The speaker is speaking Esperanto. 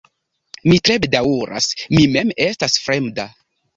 Mi tre bedaŭras, mi mem estas fremda.